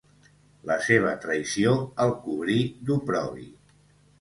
La seva traïció el cobrí d'oprobi.